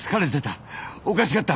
おかしかった。